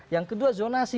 yang kedua zonasi